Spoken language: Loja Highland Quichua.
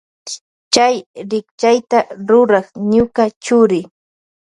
Chay rikchayta rurak ñuka churi.